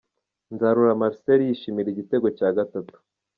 Nzarora Marcel yishimira igitego cya gatatu.